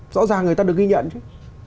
rõ ràng người ta được ghi nhận chứ